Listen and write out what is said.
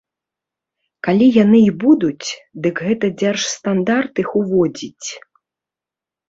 Калі яны і будуць, дык гэта дзяржстандарт іх уводзіць.